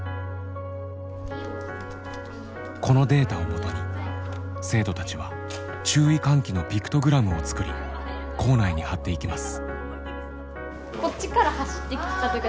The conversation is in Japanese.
このデータを基に生徒たちは注意喚起のピクトグラムを作り校内に貼っていきます。